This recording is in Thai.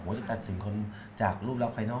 ผมก็จะตัดสินคนจากรูปรับภัยน้อง